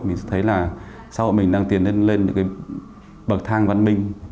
mình thấy là xã hội mình đang tiến lên những cái bậc thang văn minh